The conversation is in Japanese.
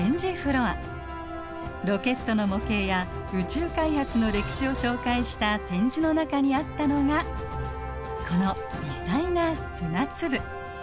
ロケットの模型や宇宙開発の歴史を紹介した展示の中にあったのがこの微細な砂粒。